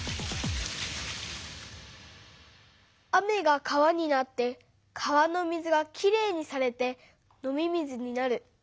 雨が川になって川の水がきれいにされて飲み水になる。